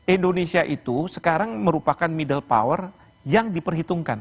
indonesia itu sekarang merupakan middle power yang diperhitungkan